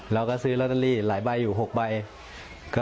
เราก็ซื้อลอตารีไหล่ใบอยู่๖เบน